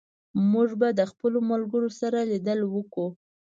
موږ به د ملګرو سره لیدل وکړو